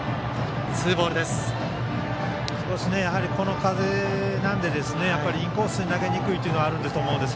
やはり、この風なのでインコースに投げにくいというところがあると思います。